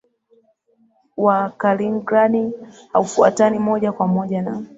wa Kaliningrad haufuatani moja kwa moja na